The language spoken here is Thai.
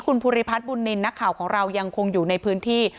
คุณภูริพัฒน์บุญนินทร์นักข่าวของเรายังคงอยู่ในพื้นที่